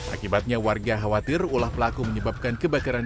akibatnya warga khawatir ulah pelaku menyebabkan kebakaran